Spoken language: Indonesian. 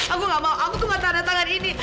aku gak mau aku tuh gak tanda tangan ini